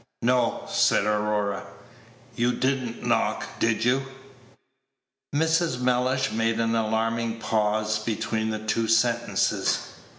"No," said Aurora, "you did n't knock! Did you?" Mrs. Mellish made an alarming pause between the two sentences.